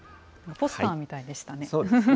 ポスターみたいでしたね。